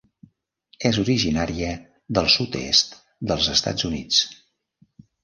És originària del sud-est dels Estats Units.